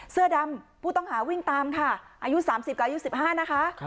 เสื้อดำผู้ต้องหาวิ่งตามค่ะอายุ๓๐กับอายุ๑๕นะคะ